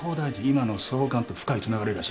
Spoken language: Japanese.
今の総監と深いつながりらしい。